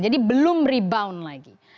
jadi belum rebound lagi